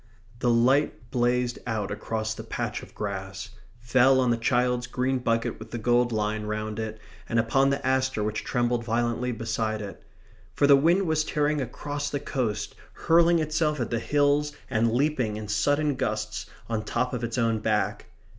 The light blazed out across the patch of grass; fell on the child's green bucket with the gold line round it, and upon the aster which trembled violently beside it. For the wind was tearing across the coast, hurling itself at the hills, and leaping, in sudden gusts, on top of its own back.